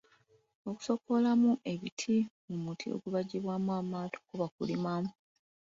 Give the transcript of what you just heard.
Okusokoolamu ebiti mu muti ogubajjibwamu amaato kuba kulima.